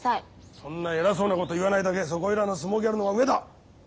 そんな偉そうなこと言わないだけそこいらの相撲ギャルの方が上だ。